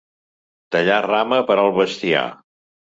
Tallar rama per al bestiar.